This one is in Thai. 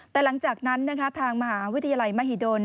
แต่หลังจากนั้นนะคะทางมหาวิทยาลัยมหิดล